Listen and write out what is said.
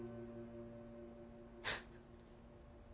フッ。